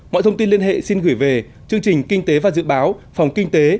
mọi thông tin liên hệ xin gửi về chương trình kinh tế và dự báo phòng kinh tế